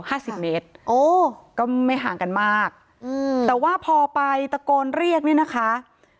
สิบเมตรโอ้ก็ไม่ห่างกันมากอืมแต่ว่าพอไปตะโกนเรียกเนี่ยนะคะ